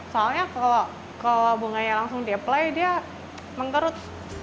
soalnya kalau bunganya langsung diapply dia mengkerut